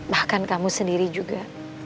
bahkan kamu sendiri juga